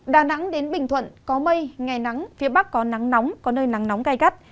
đà nẵng đến bình thuận có mây ngày nắng phía bắc có nắng nóng có nơi nắng nóng gai gắt